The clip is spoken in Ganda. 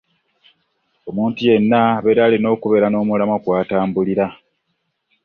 Omuntu yenna abeera olina okubeera n'omulamwa kw'atambulira.